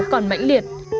còn mạnh liệt